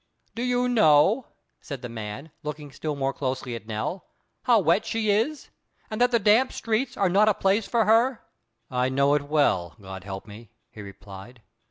"Do you know," said the man, looking still more closely at Nell, "how wet she is, and that the damp streets are not a place for her?" "I know it well, God help me," he replied.